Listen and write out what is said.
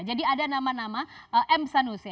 jadi ada nama nama m sanusi